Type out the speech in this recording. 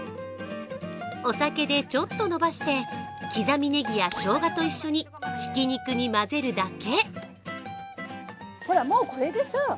お酒でちょっと伸ばして、刻みねぎやしょうがと一緒にひき肉に混ぜるだけ。